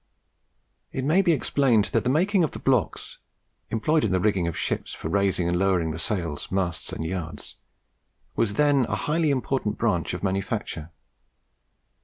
It may be explained that the making of the blocks employed in the rigging of ships for raising and lowering the sails, masts, and yards, was then a highly important branch of manufacture.